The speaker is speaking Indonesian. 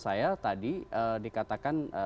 saya tadi dikatakan